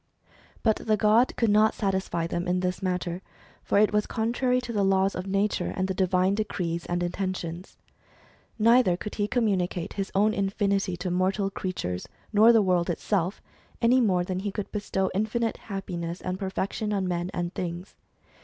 But the god could not satisfy them in this matter; for it was contrary to the laws of nature, and the divine decrees and intentions. ISTeither could he communicate his own infinity to mortal creatures, nor the world itself, any more than he could bestow infinite happiness and perfection on men and things.